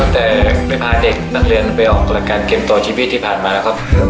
ตั้งแต่ไปพาเด็กนักเรียนไปออกกฎการณ์เก็บตัวชีวิตที่ผ่านมานะครับ